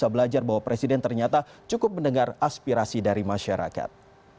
belajar bahwa presiden ternyata cukup mendengar aspirasi dari masyarakat